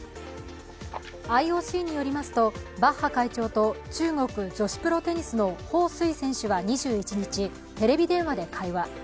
ＩＯＣによりますとバッハ会長と中国女子プロテニスの彭帥選手は２１日、テレビ電話で会話。